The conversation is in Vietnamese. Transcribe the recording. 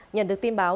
nhận được tin báo